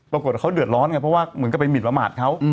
ปรากฏว่าเขาเดือดร้อนไงเพราะว่าเหมือนกับไปหมินประมาทเขา